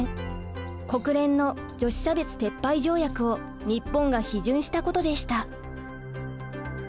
国連の女子差別撤廃条約を日本が批准したことでした。